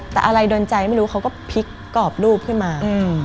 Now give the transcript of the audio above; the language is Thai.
แต่อะไรโดนใจไม่รู้เขาก็พลิกกรอบรูปขึ้นมา